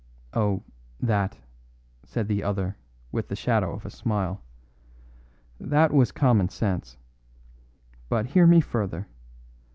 "Oh, that," said the other with the shadow of a smile, "that was common sense. But hear me further.